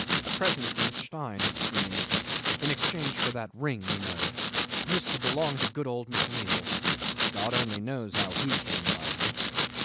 A present from Stein, it seems in exchange for that ring, you know. Used to belong to good old McNeil. God only knows how he came by them.